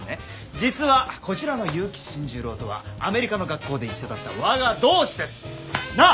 実はこちらの結城新十郎とはアメリカの学校で一緒だった我が同志です。なあ！